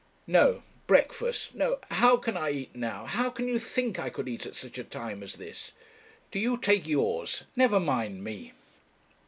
'No; breakfast! no how can I eat now? how can you think that I could eat at such a time as this? Do you take yours; never mind me.'